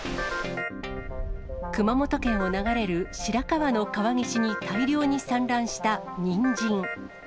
熊本県を流れる白川の川岸に大量に散乱したニンジン。